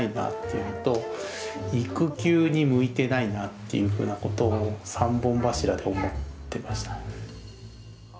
っていうふうなことを三本柱で思ってました。